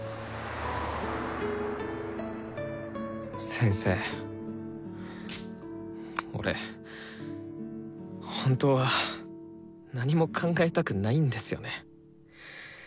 先生俺本当は何も考えたくないんですよね。